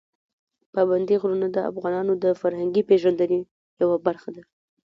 پابندي غرونه د افغانانو د فرهنګي پیژندنې یوه برخه ده.